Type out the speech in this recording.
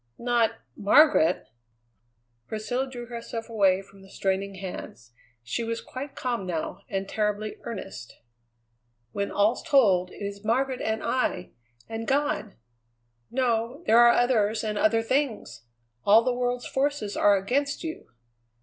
"Not Margaret!" Priscilla drew herself away from the straining hands. She was quite calm now and terribly earnest. "When all's told, it is Margaret and I and God!" "No. There are others, and other things. All the world's forces are against you."